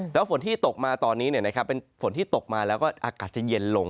แล้วฝนที่ตกมาตอนนี้เป็นฝนที่ตกมาแล้วก็อากาศจะเย็นลง